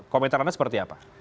komentar anda seperti apa